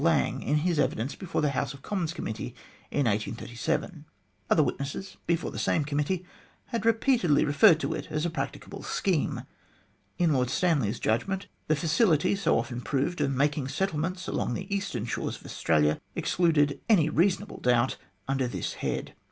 Lang in his evidence before the House of Commons Committee in 1837. Other witnesses before the same Committee had repeatedly referred to hV as a practicable scheme. In Lord Stanley's judgment, the facility, so often proved, of making settlements along the eastern shores of Australia excluded any reasonable doubt under this head.